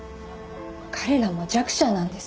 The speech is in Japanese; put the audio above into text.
彼らも弱者なんです。